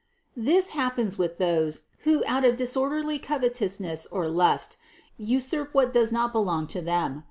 This 426 THE CONCEPTION 427 happens with those, who out of disorderly covetousness or lust usurp what does not belong to them.